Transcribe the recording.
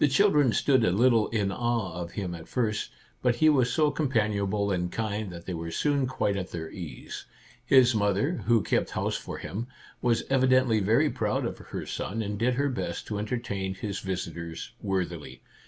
The children stood a little in awe of him at first, but he was so companionable and kind that they were soon quite at their ease. His mother, who kept house for him, was evi dently very proud of her son, and did her best to entertain his visitors worthily.